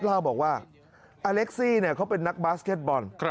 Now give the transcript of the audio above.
เล่าบอกว่าอเล็กซี่เขาเป็นนักบาสเก็ตบอล